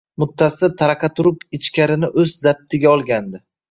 Muttasil taraqa-turuq ichkarini o’z zabtiga olgandi.